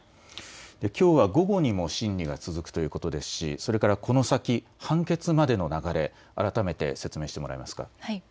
きょうは午後にも審理が続くということですしそれからこの先、判決までの流れ、改めて説明してもらえますか。